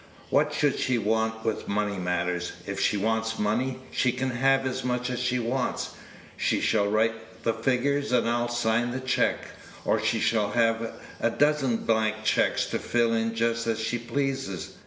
What should she want with money matters? If she wants money, she can have as much as she wants. She shall write the figures, and I'll sign the check; or she shall have a dozen blank checks to fill in just as she pleases.